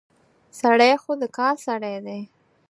سړی خو د کار سړی دی.